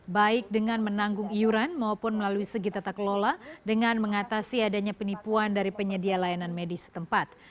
baik dengan menanggung iuran maupun melalui segi tata kelola dengan mengatasi adanya penipuan dari penyedia layanan medis tempat